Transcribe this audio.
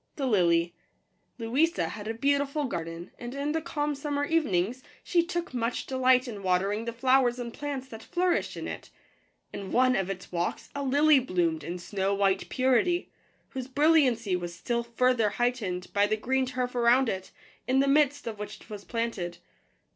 Digitized by Google J ' H n Wfyt EMg. LOUISA had a beautiful gar den, and in the calm summer evenings, she took much de i light in water ing the flowers •, and plants that flourished in it. In one of its walks a lily bloomed in snow white purity, whose brilliancy was still further heightened by the green turf around it, in the midst of which it was planted.